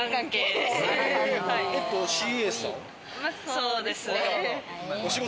そうですね。